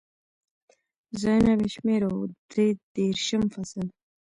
ځایونه بې شمېره و، درې دېرشم فصل.